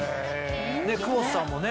久保田さんもね。